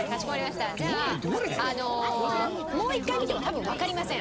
もう一回見ても多分わかりません。